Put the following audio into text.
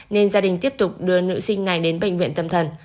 nên gia đình tiếp tục đưa nữ sinh này đến bệnh viện tâm thần